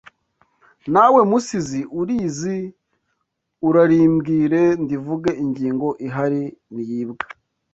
Nawe Musizi urizi Urarimbwire ndivuge Ingingo ihari ntiyibwa